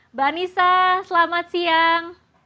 mbak anissa selamat siang